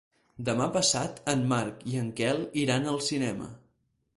Demà passat en Marc i en Quel iran al cinema.